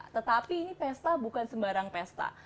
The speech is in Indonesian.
tetapi ini pesta bukan sembarang pesta